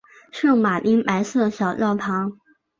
圣马丁白色小教堂。